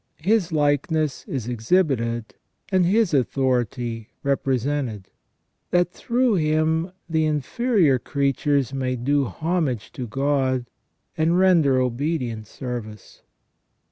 His likeness is exhibited, and His authority represented, that through him the inferior creatures may do homage to God, and render obedient service.